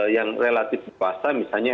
yang relatif luas misalnya